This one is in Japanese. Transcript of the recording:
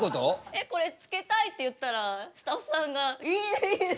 えこれつけたいって言ったらスタッフさんが「いいねいいね！」